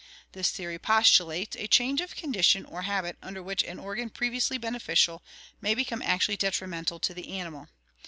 This theory postulates a change of condition or habit under which an organ previously beneficial may become actually detrimental to the animal.